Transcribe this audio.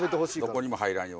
どこにも入らんように。